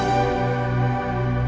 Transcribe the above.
terima kasih ya